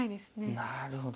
なるほど。